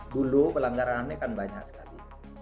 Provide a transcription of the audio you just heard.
dulu pelanggaran ham nya kan banyak sekali